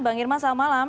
bang irman selamat malam